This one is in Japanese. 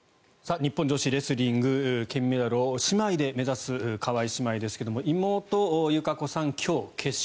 日本女子レスリング金メダルを姉妹で目指す川井姉妹ですけれども妹の友香子さんは今日、決勝。